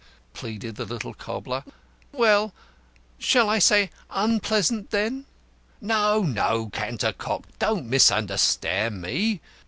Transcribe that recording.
pleaded the little cobbler. "Well, shall I say unpleasant, then?" "No, no, Cantercot. Don't misunderstand me.